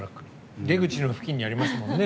出口の付近にありますもんね